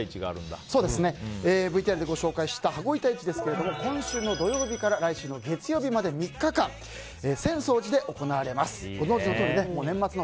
ＶＴＲでご紹介した羽子板市ですが今週の土曜日から来週の月曜日まで３日間浅草寺で行われます。